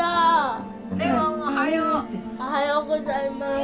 おはようございます。